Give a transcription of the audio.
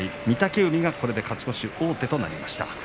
御嶽海がこれで勝ち越し王手となりました。